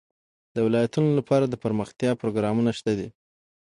د ولایتونو لپاره دپرمختیا پروګرامونه شته دي.